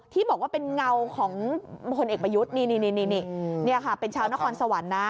ที่บอกว่าเป็นเงาของพลเอกประยุทธ์นี่ค่ะเป็นชาวนครสวรรค์นะ